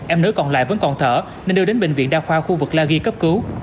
em nữ còn lại vẫn còn thở nên đưa đến bệnh viện đa khoa khu vực la ghi cấp cứu